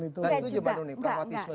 nah itu gimana nih pragmatisme